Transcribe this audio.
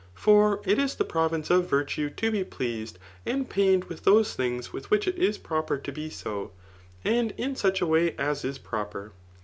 For it is the province of virtue to be pleased and pamed with those things with which it is proper to be so, and in such a way as is proper.